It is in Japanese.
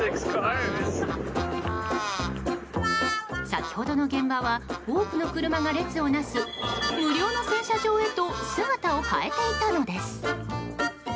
先ほどの現場は多くの車が列をなす無料の洗車場へと姿を変えていたのです。